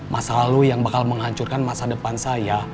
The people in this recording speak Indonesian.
masa lalu yang bakal menghancurkan masa depan saya